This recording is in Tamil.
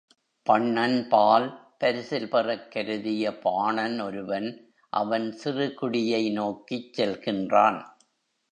பண்ணன்பால் பரிசில் பெறக் கருதிய பாணன் ஒருவன், அவன் சிறுகுடியை நோக்கிச் செல்கின்றான்.